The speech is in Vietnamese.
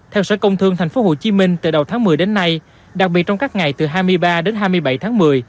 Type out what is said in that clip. theo sở công thương tp hcm từ đầu tháng một mươi đến nay đặc biệt trong các ngày từ hai mươi ba đến hai mươi bảy tháng một mươi